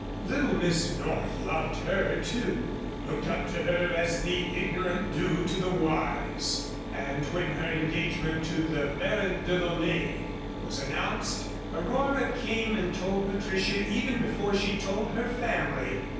Little Miss North loved her, too looked up to her as the ignorant do to the wise, and when her engagement to the Baron DeLaunay was announced Aurora came and told Patricia even before she told her family.